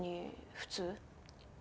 普通？